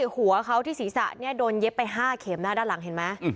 หัวเขาที่ศีรษะโดนเย็บไป๕เข็ม